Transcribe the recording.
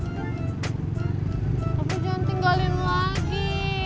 tapi jangan tinggalin lagi